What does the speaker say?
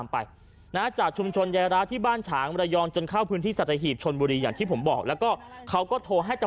มันต้องไม่ปกติ